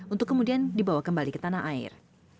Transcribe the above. untuk kemudian dibawa kembali ke tanah air